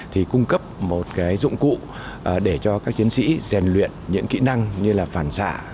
thì cung cấp một cái dụng cụ để cho các chiến sĩ rèn luyện những kỹ năng như là phản xạ